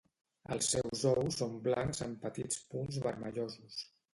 Els seus ous son blancs amb petits punts vermellosos.